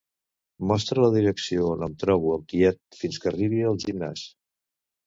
Mostra la direcció on em trobo al tiet fins que arribi al gimnàs.